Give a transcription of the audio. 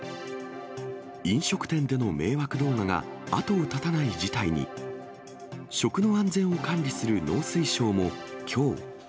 飲食店での迷惑動画が、後を絶たない事態に、食の安全を管理する農水省もきょう。